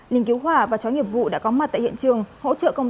linh cứu hỏa và chó nghiệp vụ đã có mặt tại hiện trường